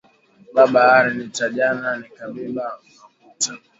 Baba ari nita jana nika bebe makuta